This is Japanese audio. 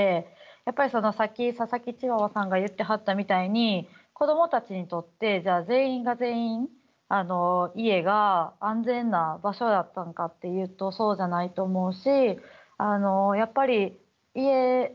やっぱりさっき佐々木チワワさんが言ってはったみたいに子どもたちにとって全員が全員家が安全な場所だったんかっていうとそうじゃないと思うし。